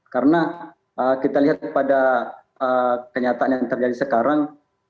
karena kita lihat pada kenyataan yang terjadi sekarang